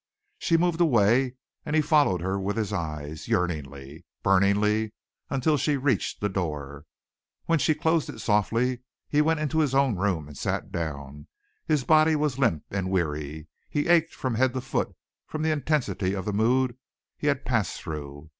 She moved away and he followed her with his eyes, yearningly, burningly, until she reached the door. When she closed it softly he went into his own room and sat down. His body was limp and weary. He ached from head to foot from the intensity of the mood he had passed through.